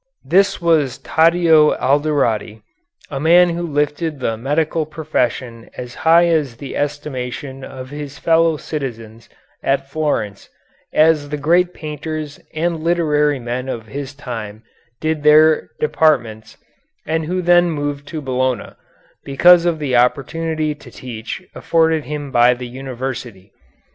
This was Taddeo Alderotti, a man who lifted the medical profession as high in the estimation of his fellow citizens at Florence as the great painters and literary men of his time did their departments, and who then moved to Bologna, because of the opportunity to teach afforded him by the university.